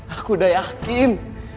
aku udah yakin